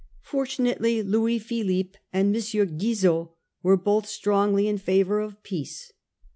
Fortunately Louis Philippe and M. Guizot were both strongly in favour of peace ; 1840 1.